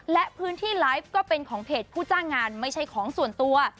และพื้นที่ไลฟ์ก็เป็นของเพจผู้จ้างงานไม่ใช่ของส่วนตัว